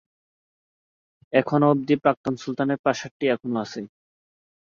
এখনও অবধি প্রাক্তন সুলতানের প্রাসাদটি এখনও আছে।